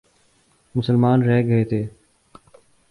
مسلمان رہ گئے تھے۔